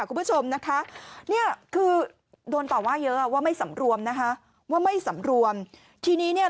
คุณผู้ชมนะคะเนี่ยคือโดนต่อว่าเยอะว่าไม่สำรวมนะคะว่าไม่สำรวมทีนี้เนี่ย